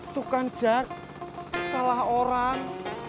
tuh kan jack salah orang